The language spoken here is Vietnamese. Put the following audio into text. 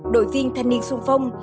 đội viên thanh niên xuân phong